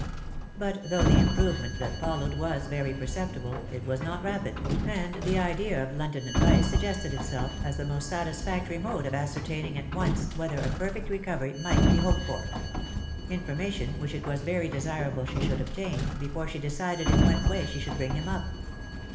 But though the improvement that followed was very perceptible, it was not rapid, and the idea of London advice suggested itself, as the most satisfactory mode of ascertaining at once whether a perfect recovery might be hoped for ; information which it was very desirable she should obtain, before she decided in what way she should bring him up.